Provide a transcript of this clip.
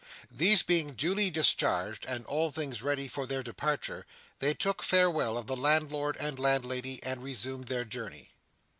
These being duly discharged and all things ready for their departure, they took farewell of the landlord and landlady and resumed their journey.